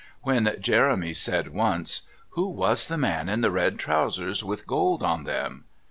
When Jeremy said once, "Who was the man in the red trousers with gold on them?"